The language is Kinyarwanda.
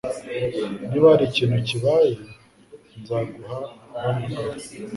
Niba hari ikintu kibaye, nzaguha guhamagara.